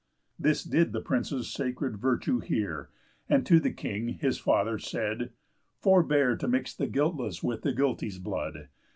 This did the prince's sacred virtue hear, And to the King, his father, said: "Forbear To mix the guiltless with the guilty's blood.